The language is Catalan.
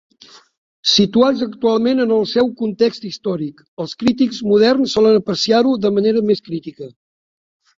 Situats actualment en el seu context històric, els crítics moderns solen apreciar-ho de manera més crítica.